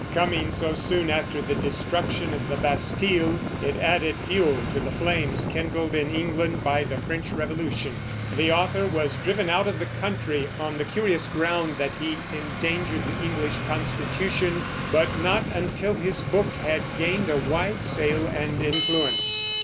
Coming so soon after the destruction of the Bastille, it added fuel to the flames kindled in England by the French Revolution. The author was driven out of the country, on the curious ground that he endangered the English constitution, but not until his book had gained a wide sale and influence.